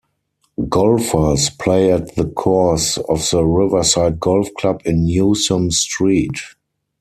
Golfers play at the course of the Riverside Golf Club on Newsom Street.